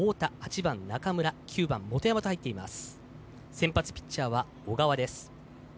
先発ピッチャーは小川です。